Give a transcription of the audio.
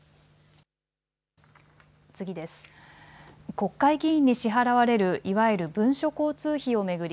国会議員に支払われるいわゆる文書交通費を巡り